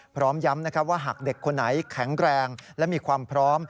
พร้อมย้ำว่าหากเด็กคนไหนแข็งแรงและมีความพร้อม